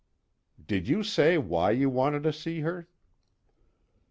"Did you say why you wanted to see her?"